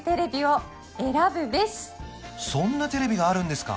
そんなテレビがあるんですか？